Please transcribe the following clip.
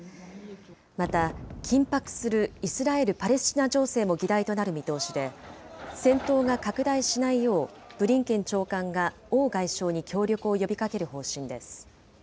また緊迫するイスラエル・パレスチナ情勢も議題となる見通しで、戦闘が拡大しないよう、ブリンケン長官が王外相に協力を呼びかける方針です。